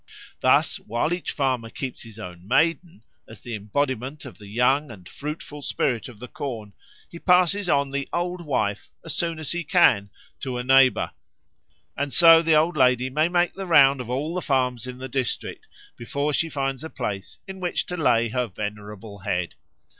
Thus while each farmer keeps his own Maiden, as the embodiment of the young and fruitful spirit of the corn, he passes on the Old Wife as soon as he can to a neighbour, and so the old lady may make the round of all the farms in the district before she finds a place in which to lay her venerable head.